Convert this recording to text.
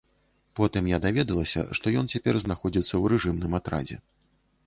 Потым я даведалася, што ён цяпер знаходзіцца ў рэжымным атрадзе.